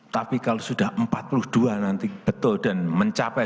tapi kalau sudah empat puluh dua nanti betul dan mencapai